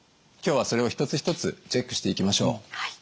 今日はそれを一つ一つチェックしていきましょう。